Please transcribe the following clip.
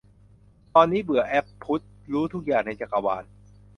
ตอนนี้เบื่อ 'แอ๊บพุทธ' รู้ทุกอย่างในจักรวาล